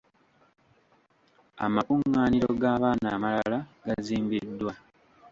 Amakungaaniro g'abaana amalala gazimbiddwa.